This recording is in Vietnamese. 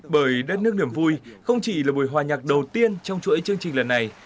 bởi đất nước niềm vui không chỉ là buổi hòa nhạc đầu tiên trong chuỗi chương trình lần này